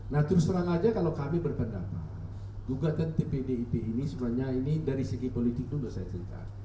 nah terus terang aja kalau kami berpendapat gugatan di pdip ini sebenarnya ini dari segi politik itu sudah saya cerita